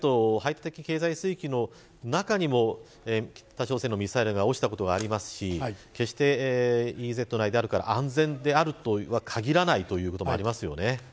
ＥＥＺ排他的経済水域の中にも北朝鮮のミサイルが落ちたことがありますし決してＥＥＺ内であるから安全とは限らないということもありますよね。